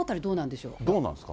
どうなんですか？